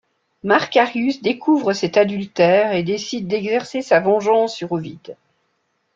Marcarius découvre cet adultère et décide d'exercer sa vengeance sur Ovide...